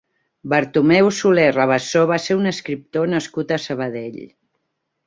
Bartomeu Soler Rabassó va ser un escriptor nascut a Sabadell.